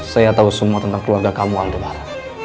saya tau semua tentang keluarga kamu aldo lovers